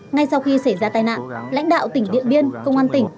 ngay sau khi xảy ra tai nạn lãnh đạo tỉnh điện biên công an tỉnh